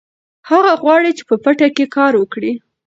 هغه غواړي چې په پټي کې کار وکړي.